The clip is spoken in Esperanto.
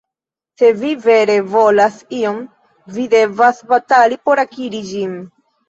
Se vi vere volas ion, vi devas batali por akiri ĝin.